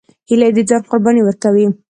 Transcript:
هیلۍ د ځان قرباني ورکوي